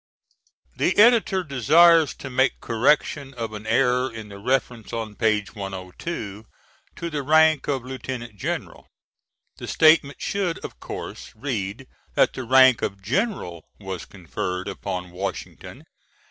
"] The Editor desires to make correction of an error in the reference on page 102 to the rank of Lieutenant General. The statement should of course read that the rank of General was conferred upon Washington